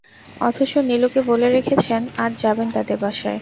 অথচ নীলুকে বলে রেখেছেন, আজ যাবেন তাদের বাসায়।